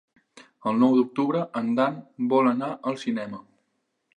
El nou d'octubre en Dan vol anar al cinema.